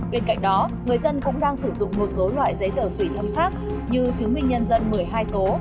bên cạnh đó người dân cũng đang sử dụng một số loại giấy tờ tùy thân khác như chứng minh nhân dân một mươi hai số